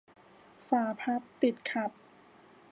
ฝาพับติดขัด